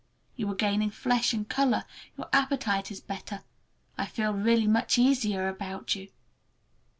You are gaining flesh and color, your appetite is better. I feel really much easier about you."